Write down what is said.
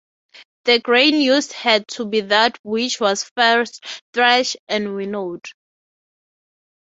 The grain used had to be that which was first thresh and winnowed.